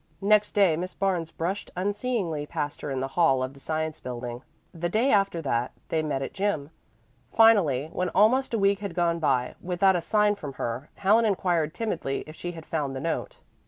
Next day Miss Barnes brushed unseeingly past her in the hall of the Science Building. The day after that they met at gym. Finally, when almost a week had gone by without a sign from her, Helen inquired timidly if she had found the note.